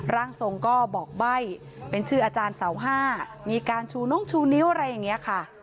ร่างทรงก็บอกใบ้เป็นชื่ออาจารย์เสาห้ามีการชูน้องชูนิ้วอะไรอย่างนี้ค่ะ